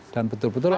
dan betul betul ada